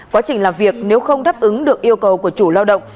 quá trình làm việc nếu không đáp ứng được yêu cầu của chủ lao động